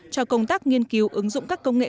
cho công tác nghiên cứu ứng dụng các công nghệ